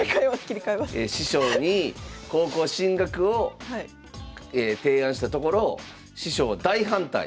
師匠に高校進学を提案したところ師匠大反対。